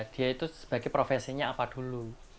dia itu sebagai profesinya apa dulu